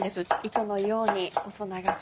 糸のように細長く。